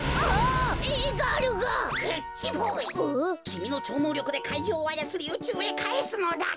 きみのちょうのうりょくで怪獣をあやつりうちゅうへかえすのだ！